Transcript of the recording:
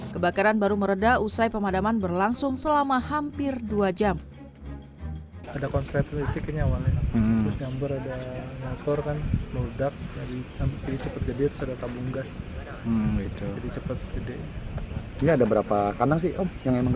kebakaran baru meredah usai pemadaman berlangsung selama hampir dua jam